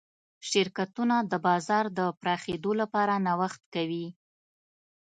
شرکتونه د بازار د پراخېدو لپاره نوښت کوي.